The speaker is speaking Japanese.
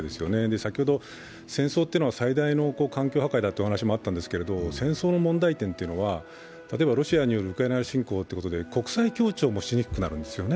先ほど戦争というのは最大の環境破壊だというお話もあったんですが、戦争の問題点というのは、例えばロシアによるウクライナ侵攻ということにより国際協調もしにくくなるんですよね。